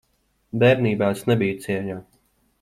Bērnībā es nebiju cieņā.